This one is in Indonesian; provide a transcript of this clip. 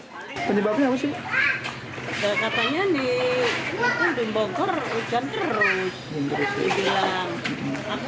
oh di mokor setiap malam hujan tuh jadi gak bisa berpikir di belah itu